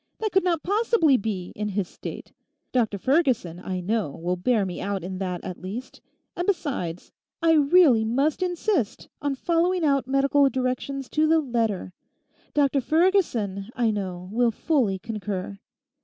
That could not possibly be, in his state. Dr Ferguson, I know, will bear me out in that at least. And besides, I really must insist on following out medical directions to the letter. Dr Ferguson I know, will fully concur.